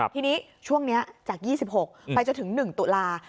ทีนี้ช่วงนี้จาก๒๖ไปจนถึง๑ตุลา